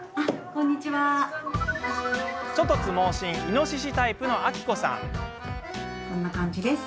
ちょ突猛進イノシシタイプのあきこさん。